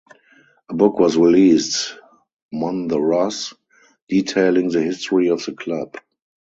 A book was released "Mon the Ross" detailing the history of the club.